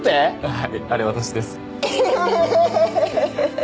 はいあれ私ですええー？